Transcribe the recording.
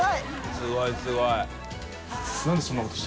すごいすごい。店主）